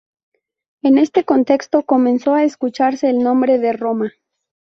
En este contexto comenzó a escucharse el nombre de Roma.